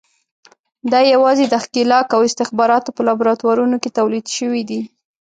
دا یوازې د ښکېلاک او استخباراتو په لابراتوارونو کې تولید شوي دي.